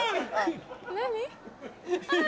何？